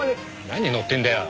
何乗ってんだよ！